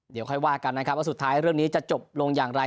เดี๋ยวค่อยว่ากันนะครับว่าสุดท้ายเรื่องนี้จะจบลงอย่างไร